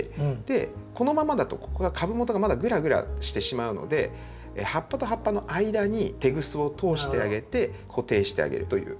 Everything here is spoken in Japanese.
このままだとここが株元がまだぐらぐらしてしまうので葉っぱと葉っぱの間にテグスを通してあげて固定してあげるという。